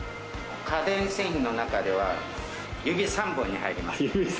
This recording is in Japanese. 家電製品の中では指３本に入ります。